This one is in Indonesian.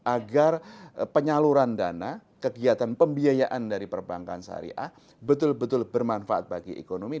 agar penyaluran dana kegiatan pembiayaan dari perbankan syariah betul betul bermanfaat bagi ekonomi